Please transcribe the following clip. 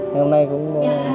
ngày hôm nay cũng